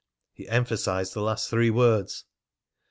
He emphasised the last three words.